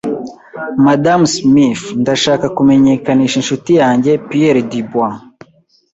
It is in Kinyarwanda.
Madamu Smith, Ndashaka kumenyekanisha inshuti yanjye, Pierre Dubois.